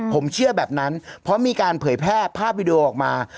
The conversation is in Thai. ผมเชื่อแบบนั้นเพราะมีการเผยแพร่ภาพวิดีโอออกมา